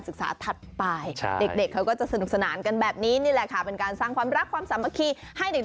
ก่อนแบบนี้เค้ากำลังจะจัดกีฬา